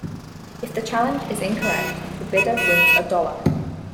If the challenge is incorrect, the bidder wins a dollar.